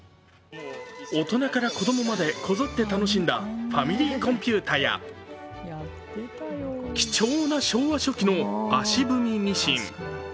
大人から子供まで、こぞって楽しんだファミリーコンピュータや貴重な昭和初期の足踏みミシン。